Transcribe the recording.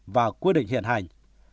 và quy định hiện hành